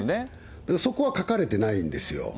だから、そこは書かれてないんですよ。